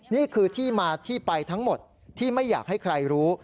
นี่คือที่มาที่ไปทั้งหมดที่ไม่อยากให้ใครรู้